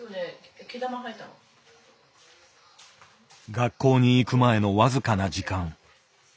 学校に行く前の僅かな時間。